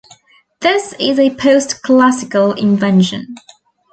This is a post-classical invention.